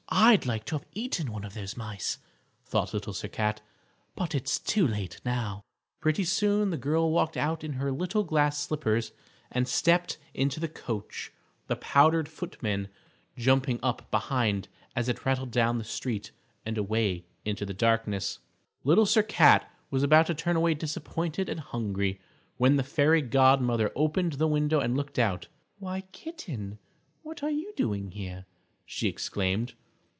"I'd like to have eaten one of those mice," thought Little Sir Cat, "but it's too late now." Pretty soon the girl walked out in her little glass slippers and stepped into the coach, the powdered footman jumping up behind as it rattled down the street and away into the darkness. [Illustration: LITTLE SIR CAT SEES CINDERELLA] Little Sir Cat was about to turn away disappointed and hungry, when the Fairy Godmother opened the window and looked out: "Why, kitten, what are you doing here?" she exclaimed.